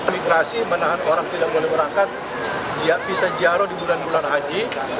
migrasi menahan orang tidak boleh merangkang visa ziarah di bulan bulan haji